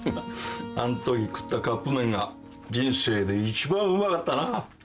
あんとき食ったカップ麺が人生で一番うまかったな。